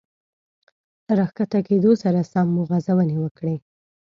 له را ښکته کېدو سره سم مو غځونې وکړې.